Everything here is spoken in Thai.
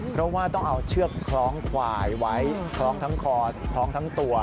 เพราะว่าต้องเอาเชือกคล้องควายไว้คล้องทั้งคอคล้องทั้งตัว